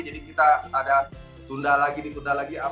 jadi kita ada ditunda lagi ditunda lagi